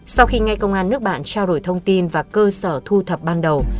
sau khi ngay công an nước bạn trao đổi thông tin và cơ sở thu thập ban đầu